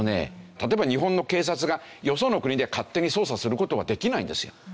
例えば日本の警察がよその国で勝手に捜査する事はできないんですよ。